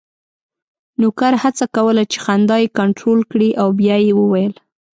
نوکر هڅه کوله چې خندا یې کنټرول کړي او بیا یې وویل: